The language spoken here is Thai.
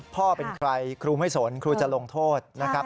พ่อเป็นใครครูไม่สนครูจะลงโทษนะครับ